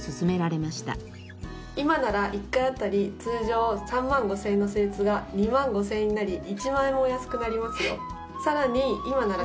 今なら１回あたり通常３万５千円の施術が２万５千円になり１万円もお安くなりますよ。